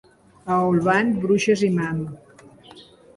A Olvan, bruixes i mam.